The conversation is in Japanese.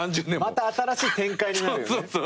また新しい展開になるよね。